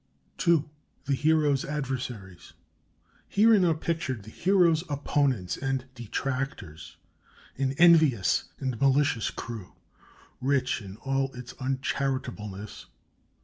II. THE HERO'S ADVERSARIES Herein are pictured the Hero's opponents and detractors an envious and malicious crew, rich in all uncharitableness.